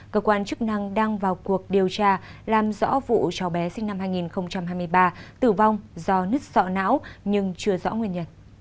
cơ quan chức năng đang vào cuộc điều tra làm rõ vụ cho bé sinh năm hai nghìn hai mươi ba tử vong do nứt sọ não nhưng chưa rõ nguyên nhân